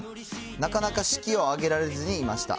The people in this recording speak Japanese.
なかなか式を挙げられずにいました。